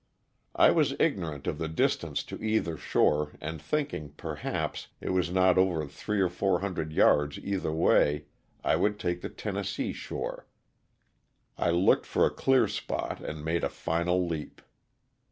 J was ignorant of the distance to either shore and thinking, perhaps, it was not over three or four hundred yards either way I would take the Tennessee shore, I looked for a clear spot and made a final leap.